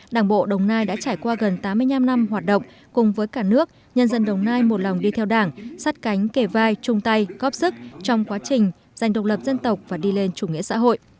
đảng bộ đồng nai đã trải qua gần tám mươi năm năm hoạt động cùng với cả nước nhân dân đồng nai một lòng đi theo đảng sát cánh kề vai chung tay góp sức trong quá trình giành độc lập dân tộc và đi lên chủ nghĩa xã hội